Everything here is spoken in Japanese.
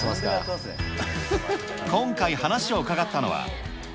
今回、話を伺ったのは。